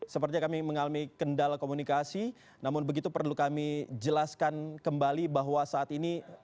sepertinya kami mengalami kendala komunikasi namun begitu perlu kami jelaskan kembali bahwa saat ini